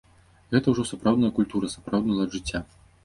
Гэта ўжо сапраўдная культура, сапраўдны лад жыцця.